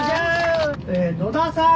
野田さん